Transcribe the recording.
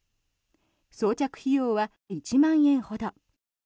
装着費用は１万円ほど。